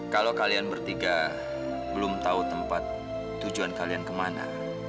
kalau kalian bertiga belum tahu tempat tujuan kalian kemana